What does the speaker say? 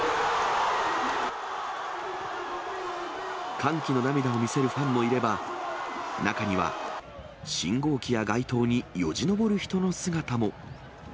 歓喜の涙を見せるファンもいれば、中には信号機や街灯によじ登る人の姿も。